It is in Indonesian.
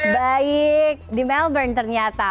baik di melbourne ternyata